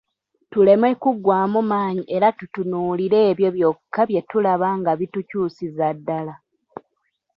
Tuleme kuggwaamu maanyi era tutunuulire ebyo byokka bye tulaba nga bitukyusiza ddala.